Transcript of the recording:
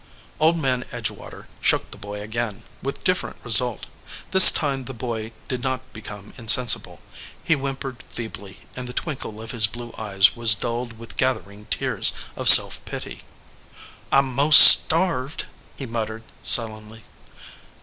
Old Man Edgewater shook the boy again, with different result. This time the boy did not become insensible. He whimpered feebly and the twinkle of his blue eyes was dulled with gathering tears of self pity. "I m most starved," he muttered, sullenly.